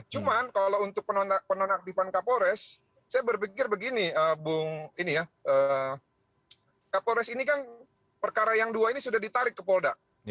cuman kalau untuk penonaktifan kapolres saya berpikir begini kapolres ini kan perkara yang dua ini sudah ditarik ke poldak